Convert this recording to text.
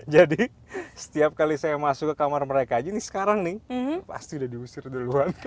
jadi setiap kali saya masuk ke kamar mereka aja ini sekarang nih pasti udah diusir duluan